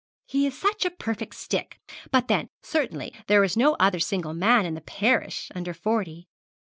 'He is such a perfect stick; but then certainly there is no other single man in the parish under forty.